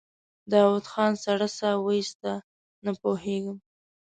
داوود خان سړه سا وايسته: نه پوهېږم.